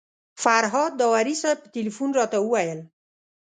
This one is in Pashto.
فرهاد داوري صاحب په تیلفون راته وویل.